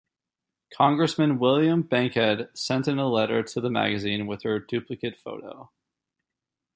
Congressman William Bankhead sent in a letter to the magazine with her duplicate photo.